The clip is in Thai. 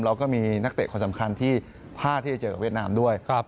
เราก็มีนักเตะคนสำคัญที่พลาดที่จะเจอกับเวียดนามด้วย